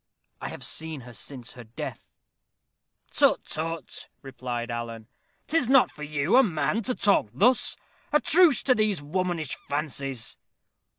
I have seen her since her death!" "Tut, tut," replied Alan. "'Tis not for you a man to talk thus. A truce to these womanish fancies."